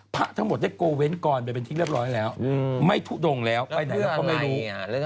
พระทั้งหมดได้โกเว้นกรไปเป็นที่เรียบร้อยแล้วไม่ทุดงแล้วไปไหนแล้วก็ไม่รู้